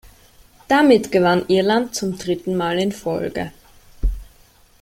Damit gewann Irland zum dritten Mal in Folge.